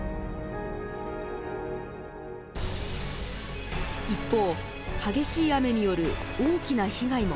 一方激しい雨による大きな被害も発生しました。